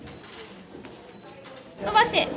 伸ばして！